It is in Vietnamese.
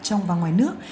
trong và ngoài nước